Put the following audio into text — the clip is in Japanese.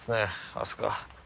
明日香。